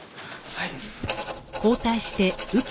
はい。